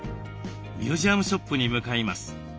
ミュージアムショップに向かいます。